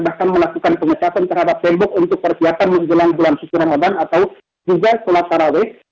bahkan melakukan pengesatan terhadap tembok untuk persiapan musjid musjid bulan suci ramadan atau juga sholat taraweeh